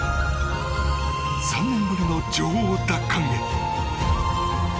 ３年ぶりの女王奪還へ。